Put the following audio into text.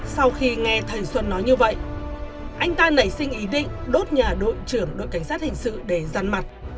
sau khi nghe thầy xuân nói như vậy anh ta nảy sinh ý định đốt nhà đội trưởng đội cảnh sát hình sự để răn mặt